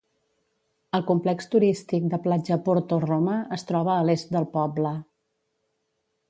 El complex turístic de platja Porto Roma es troba a l'est del poble.